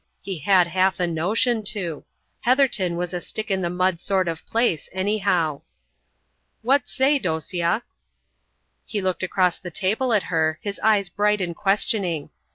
He had half a notion to. Heatherton was a stick in the mud sort of place anyhow. "What say, Dosia?" He looked across the table at her, his eyes bright and questioning.